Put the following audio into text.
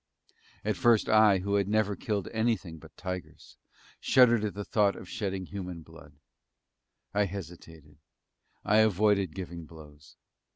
At first I, who had never killed anything but tigers, shuddered at the thought of shedding human blood. I hesitated I avoided giving blows.